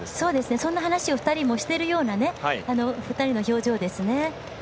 そんなような話も２人がしているような２人の表情ですね。